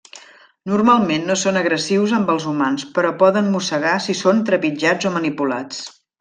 Normalment, no són agressius amb els humans però poden mossegar si són trepitjats o manipulats.